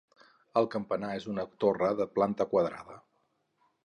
El campanar és una torre de planta quadrada.